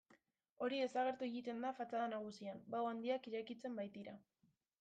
Hori desagertu egiten da fatxada nagusian, bao handiak irekitzen baitira.